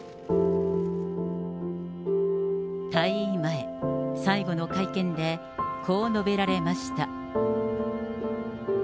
退位前、最後の会見で、こう述べられました。